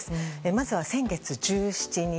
まず先月１７日。